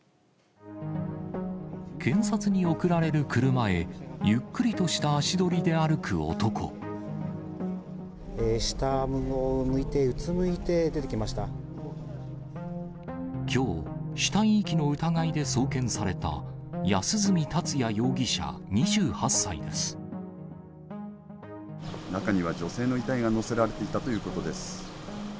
検察に送られる車へ、ゆっく下を向いて、うつむいて出てきょう、死体遺棄の疑いで送検された、中には女性の遺体が乗せられていたということです。